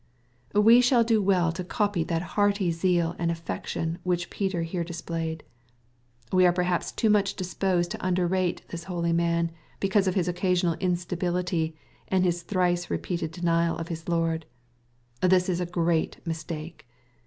We shall do well to copy that hearty zeal and affection which Peter here displayed. We are perhaps too much disposed to underrate this holy man, because of his occasional instability, and his thrice repeated denial of his Lord. This is a great mistake.